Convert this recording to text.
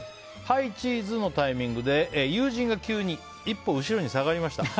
はいチーズのタイミングで友人が急に１歩後ろに下がりました。